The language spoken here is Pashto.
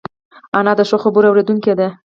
انا د ښو خبرو اورېدونکې ده